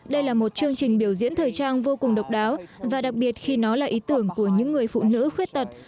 đây là một chương trình biểu diễn thời trang vô cùng độc đáo và đặc biệt khi nó là ý tưởng của những người phụ nữ khuyết tật